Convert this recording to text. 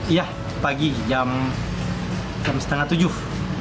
iya pagi jam setengah tujuh